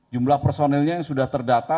jumlah personilnya yang sudah terdata